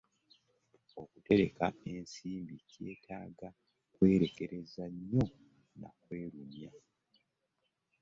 Okutereka ensimbi kyetaaga kwerekereza nnyo na kwerumya.